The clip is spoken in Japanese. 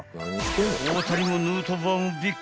［大谷もヌートバーもびっくり］